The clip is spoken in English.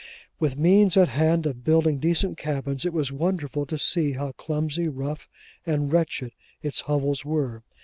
With means at hand of building decent cabins, it was wonderful to see how clumsy, rough, and wretched, its hovels were.